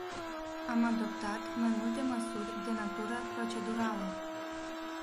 Am adoptat mai multe măsuri de natură procedurală.